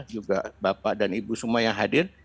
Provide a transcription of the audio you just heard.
juga bapak dan ibu semua yang hadir